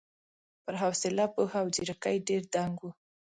پر حوصله، پوهه او ځېرکۍ ډېر دنګ و.